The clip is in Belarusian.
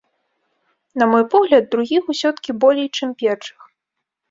На мой погляд, другіх усё-ткі болей, чым першых.